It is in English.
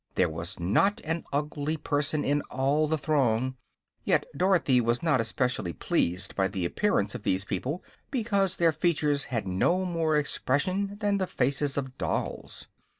There was not an ugly person in all the throng, yet Dorothy was not especially pleased by the appearance of these people because their features had no more expression than the faces of dolls.